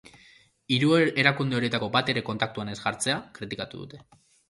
Hiru erakunde horietako bat ere kontaktuan ez jartzea kritikatu dute.